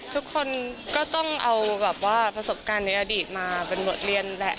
ทุกคนก็ต้องเอาแบบว่าประสบการณ์ในอดีตมาเป็นบทเรียนแหละ